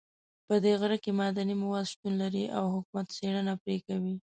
په دې غره کې معدني مواد شتون لري او حکومت څېړنه پرې کوي